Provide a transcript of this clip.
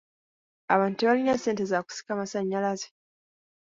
Abantu tebalina ssente za kusika masannyalaze.